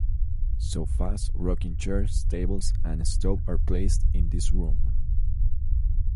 Sofas, rocking chairs, tables, and a stove are placed in this room.